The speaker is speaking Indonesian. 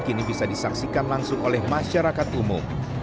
kini bisa disaksikan langsung oleh masyarakat umum